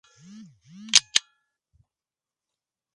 Sin embargo, este censo se suele considerar como más defectuoso.